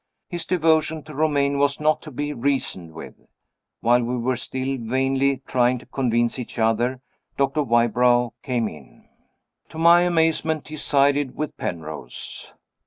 His devotion to Romayne was not to be reasoned with. While we were still vainly trying to convince each other, Doctor Wybrow came in. To my amazement he sided with Penrose.